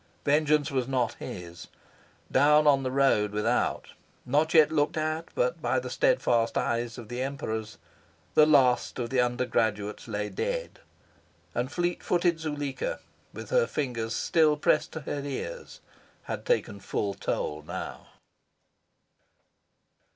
Vengeance was not his. Down on the road without, not yet looked at but by the steadfast eyes of the Emperors, the last of the undergraduates lay dead; and fleet footed Zuleika, with her fingers still pressed to her ears, had taken full toll now.